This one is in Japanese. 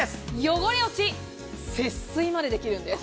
汚れ落ち、節水までできるんです。